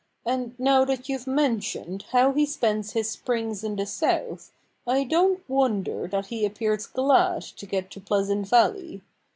And now that you've mentioned how he spends his springs in the South, I don't wonder that he appears glad to get to Pleasant Valley.